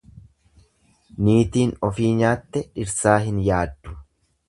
Niitiin ofii nyaatte dhirsaa hin yaaddu.